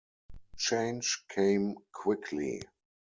Change came quickly.